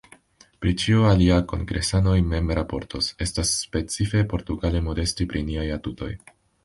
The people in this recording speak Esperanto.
Pri ĉio alia kongresanoj mem raportos — estas specife portugale modesti pri niaj atutoj.